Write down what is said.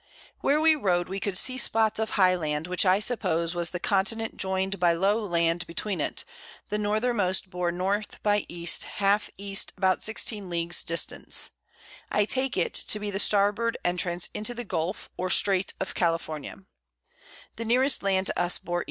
Where we rode we could see Spots of high Land, which I suppose was the Continent join'd by low Land between it; the Northermost bore N. by E. half E. about 16 Leagues distance: I take it to be the Starboard Entrance into the Gulph or Strait of California; the nearest Land to us bore E.